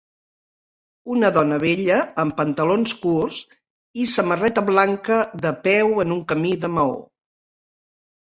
Una dona vella amb pantalons curts i samarreta blanca de peu en un camí de maó.